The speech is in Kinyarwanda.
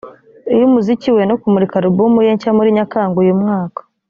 iy’umuziki we no kumurika alubumu ye nshya muri Nyakanga uyu mwaka